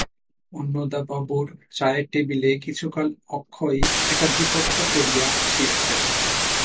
অন্নদাবাবুর চায়ের টেবিলে কিছুকাল অক্ষয় একাধিপত্য করিয়া আসিয়াছে।